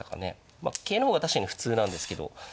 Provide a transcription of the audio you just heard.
まあ桂の方が確かに普通なんですけど。